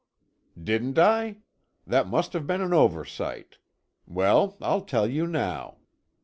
"Didn't I? That must have been an oversight. Well I'll tell you now.